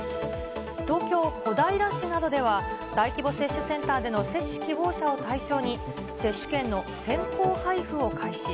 東京・小平市などでは、大規模接種センターでの接種希望者を対象に、接種券の先行配布を開始。